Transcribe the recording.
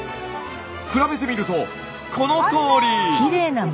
比べてみるとこのとおり！